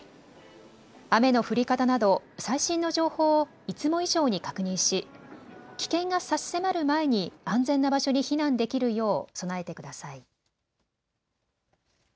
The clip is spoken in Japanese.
雨の降り方など最新の情報をいつも以上に確認し、危険が差し迫る前に安全な場所に避難できるよう備えてください。